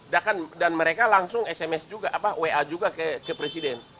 dan mereka langsung sms juga apa wa juga ke presiden